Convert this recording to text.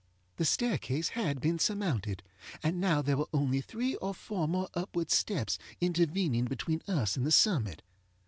The staircase had been surmounted, and there were now only three or four more upward steps intervening between us and the summit.